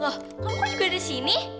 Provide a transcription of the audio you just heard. loh kamu kok juga ada sini